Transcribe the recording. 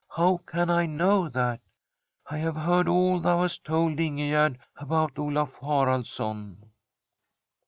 ' How can I know that ? I have heard all thou hast told Ingegerd about Olaf Haralds son.'